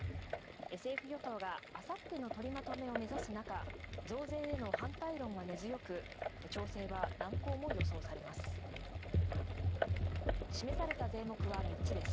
政府・与党が明後日の取りまとめを目指す中、増税への反対論が根強く、調整は難航も予想されます。